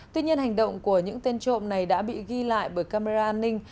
tuy nhiên hành động của những tên trộm này đã bị ghi lại bởi camera an ninh